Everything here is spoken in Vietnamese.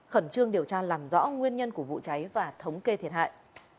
khẩn trương điều tra làm rõ nguyên nhân của vụ cháy và thống kê thiệt hại